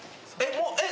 もうえっ？